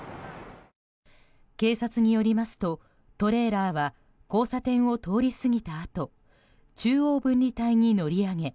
警察によりますとトレーラーは交差点を通り過ぎたあと中央分離帯に乗り上げ